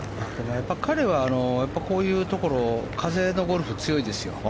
やっぱり彼はこういうところ、風のゴルフに強いですよ。